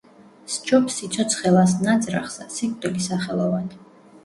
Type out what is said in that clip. სჯობს სიცოცხელას ნაძრახსა, სიკვდილი სახელოვანი.